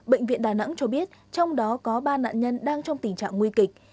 bệnh viện đà nẵng cho biết trong đó có ba nạn nhân đang trong tình trạng nguy kịch